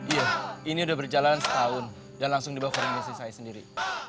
iya ini udah berjalan setahun dan langsung dibawa ke sini saya sendiri